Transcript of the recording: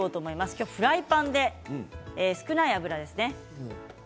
今日はフライパンで少ない油ですね。